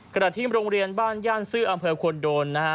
ที่โรงเรียนบ้านย่านซื้ออำเภอควรโดนนะฮะ